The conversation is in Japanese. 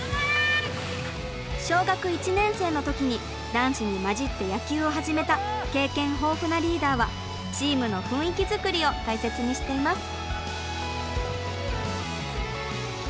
小学１年生の時に男子に交じって野球を始めた経験豊富なリーダーはチームの雰囲気作りを大切にしています。